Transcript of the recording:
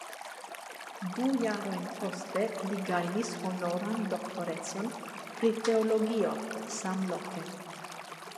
Du jarojn poste li gajnis honoran doktorecon pri teologio samloke.